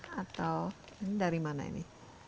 atau ini dari mana ini